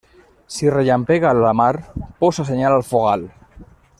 Si rellampega a la mar, posa llenya al fogal.